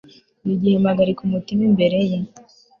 buri gihe mpagarika umutima imbere ye